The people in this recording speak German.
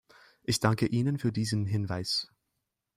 Ich danke Ihnen für diesen Hinweis.